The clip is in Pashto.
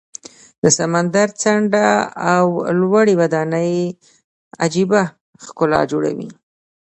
د سمندر څنډه او لوړې ودانۍ عجیبه ښکلا جوړوي.